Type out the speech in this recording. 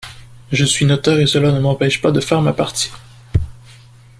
Je suis notaire et cela ne m’empêche pas de faire ma partie.